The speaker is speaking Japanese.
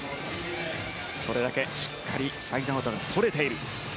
それだけしっかりサイドアウトが取れている。